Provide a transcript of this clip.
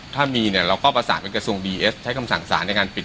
ถ้ามีเนี่ยเราก็ประสานเป็นกระทรวงดีเอสใช้คำสั่งสารในการปิด